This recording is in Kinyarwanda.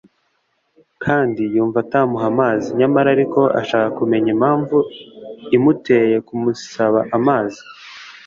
kandi yumva atamuha amazi, nyamara ariko ashaka kumenya impamvu imuteye kumusaba amazi: